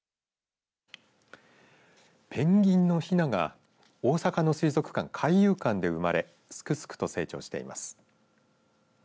ペンギンのひなが大阪の水族館、海遊館で生まれすくすくと成長しています。